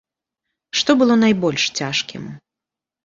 Што было найбольш цяжкім?